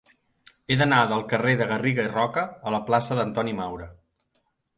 He d'anar del carrer de Garriga i Roca a la plaça d'Antoni Maura.